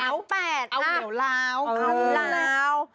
เอาเหนียวล้าวเอาล้าว